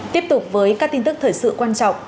tiếp tục với các tin tức thời sự quan trọng